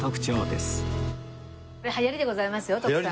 流行りでございますよ徳さん。